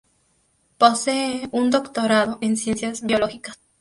Posee un doctorado en Ciencias Biológicas.